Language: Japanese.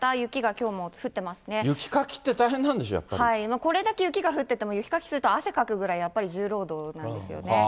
これだけ雪が降ってても雪かきすると汗かくぐらい、やっぱり重労働なんですよね。